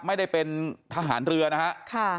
ไม่ได้เป็นทหารเรือนะฮะ